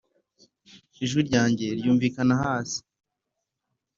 ijwi ryanjye ry'umvikana hase